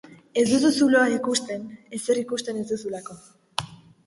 Ez duzu zuloa ikusten ezer ikusten ez duzulako.